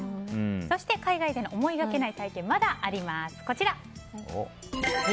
そして海外での思いがけない体験、まだあります。